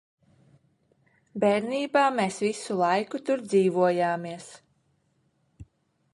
Bērnībā mēs visu laiku tur dzīvojāmies.